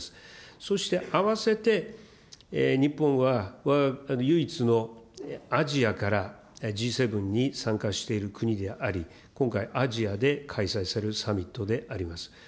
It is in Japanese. そして併せて、日本は唯一の、アジアからＧ７に参加している国であり、今回、アジアで開催されるサミットであります。